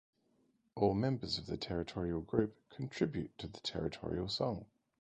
All members of the territorial group contribute to the Territorial Song.